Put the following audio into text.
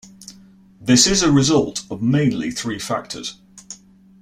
This is a result of mainly three factors.